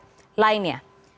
dan pihak terkait lainnya